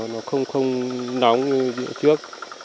nó không nóng như trước